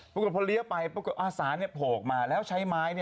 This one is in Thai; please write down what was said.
แล้วพอเลี้ยไปสานี่ผกมาแล้วใช้ไม้ตี